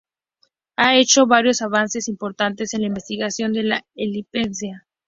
Ha hecho varios avances importantes en la investigación de la epilepsia.